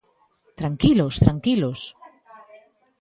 ¡Tranquilos!, ¡tranquilos!